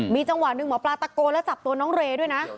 มีจังหวะหนึ่งหมอปลาตะโกนแล้วจับตัวน้องเรย์ด้วยนะ